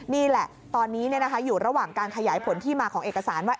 นี่แหละตอนนี้อยู่ระหว่างการขยายผลที่มาของเอกสารว่า